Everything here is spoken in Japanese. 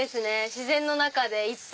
自然の中で１杯。